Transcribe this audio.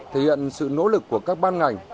thể hiện sự nỗ lực của các ban ngành